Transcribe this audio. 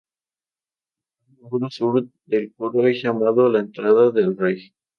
El portal del muro sur del coro es llamado "la entrada del rey".